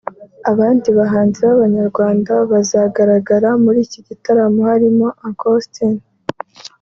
Abandi bahanzi b’abanyarwanda bazagaragara muri iki gitaramo harimo Uncle Austin